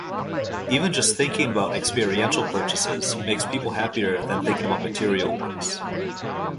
Even just thinking about experiential purchases makes people happier than thinking about material ones.